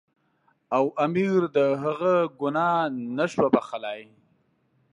او امیر د هغه ګناه نه شو بخښلای.